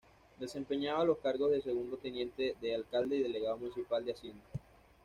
Desempeñaba los cargos de segundo teniente de alcalde y delegado municipal de Hacienda.